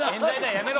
やめろ！